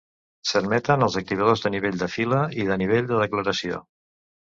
S'admeten els activadors de nivell de fila i de nivell de declaració.